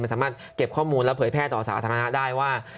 มันสามารถเก็บข้อมูลแล้วเผยแพทย์ต่อสารอธรรมนาได้ว่า